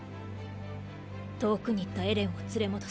遠くに行ったエレンを連れ戻す。